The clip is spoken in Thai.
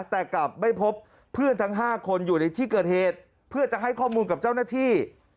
แต่กลับไม่พบเพื่อนทั้ง๕คนอยู่ในที่เกิดเหตุเพื่อจะให้ข้อมูลกับเจ้าหน้าที่